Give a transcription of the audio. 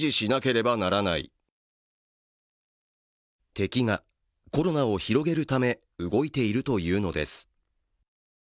敵がコロナを広げるため動いているというのです。